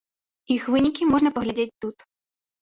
Іх вынікі можна паглядзець тут.